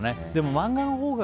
漫画のほうが。